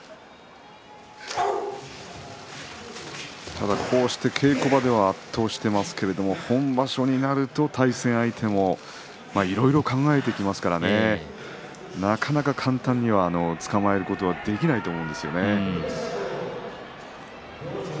ただ稽古場では圧倒していますが本場所になると対戦相手もいろいろ考えてきますからねなかなか簡単にはつかまえることはできないと思うんですよね。